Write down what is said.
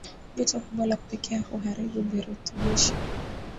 Joto kubwa la kupikia huharibu virutubishi